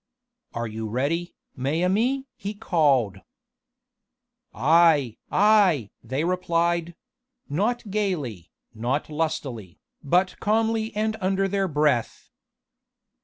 "Are you ready, mes amis?" he called. "Aye! aye!" they replied not gaily, not lustily, but calmly and under their breath.